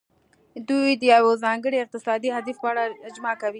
دوی د یو ځانګړي اقتصادي هدف په اړه اجماع کوي